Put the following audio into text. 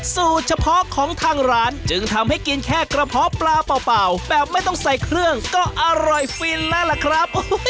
สูตรเฉพาะของทางร้านจึงทำให้กินแค่กระเพาะปลาเปล่าแบบไม่ต้องใส่เครื่องก็อร่อยฟินแล้วล่ะครับ